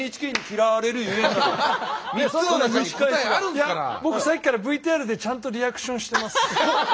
だから僕さっきからＶＴＲでちゃんとリアクションしてます。